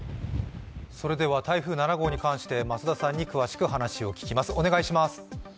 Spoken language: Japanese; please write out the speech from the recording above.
台風７号に関して増田さんに詳しく話を聞きます。